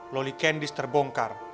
loli candice terbongkar